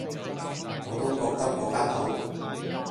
我都覺得嗰間好